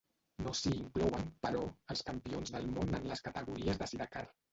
No s'hi inclouen, però, els campions del món en les categories de sidecar.